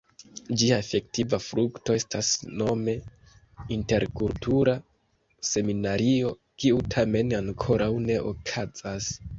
Ĝia efektiva frukto estas nome "Interkultura Seminario", kiu tamen ankoraŭ ne okazas.